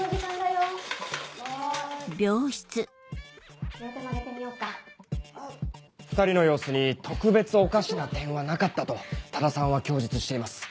両手曲げてみようか２人の様子に特別おかしな点はなかったと多田さんは供述しています。